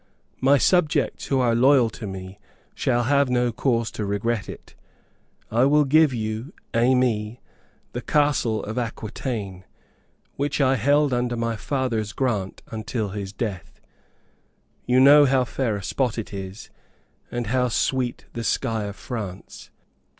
My subjects who are loyal to me shall have no cause to regret it. I will give you, Aimée, the Castle of Acquitaine, which I held under my father's grant until his death. You know how fair a spot it is, and how sweet the sky of France!